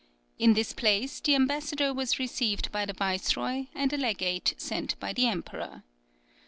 In this place, the ambassador was received by the viceroy and a legate sent by the emperor.